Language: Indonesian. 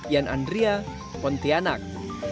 yan andria pontianak